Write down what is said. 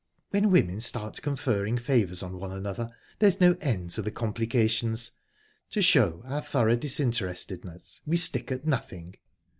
When women start conferring favours on one another, there's no end to the complications. To show our thorough disinterestedness, we stick at nothing."